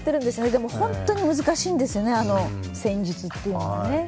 でも本当に難しいんですね、あの戦術っていうのがね。